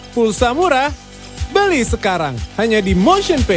pulsa murah beli sekarang hanya di motionpay